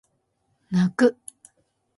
泣く